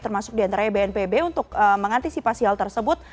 termasuk diantaranya bnpb untuk mengantisipasi hal tersebut